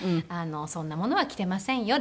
そんなものは着ていませんよ